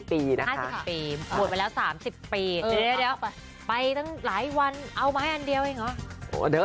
๕๐ปีบวชมาแล้ว๓๐ปีเดี๋ยวไปตั้งหลายวันเอาไม้อันเดียวเองเหรอ